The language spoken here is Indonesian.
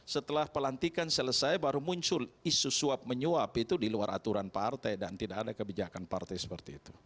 setelah pelantikan selesai baru muncul isu suap menyuap itu di luar aturan partai dan tidak ada kebijakan partai seperti itu